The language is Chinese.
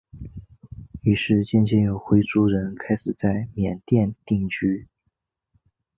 于是渐渐有回族人开始在缅甸定居。